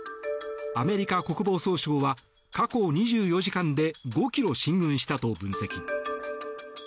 アメリカ国防総省は過去２４時間で５ｋｍ進軍したと分析。